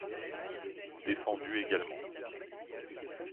Défendu également.